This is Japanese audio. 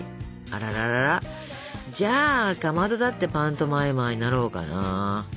あららららじゃあかまどだってパントマイマーになろうかな。